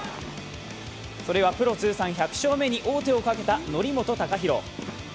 それはプロ通算１００勝目に王手をかけた則本昂大。